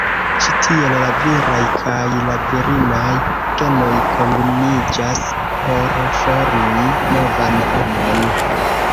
Ĉi tiel la viraj kaj la virinaj genoj kombiniĝas por formi novan homon.